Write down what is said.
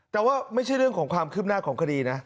แต่ว่าไม่ใช่เรื่องของความคืบหน้าของคดีนะ